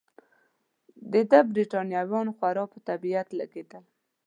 د ده بریتانویان خورا په طبیعت لګېدل.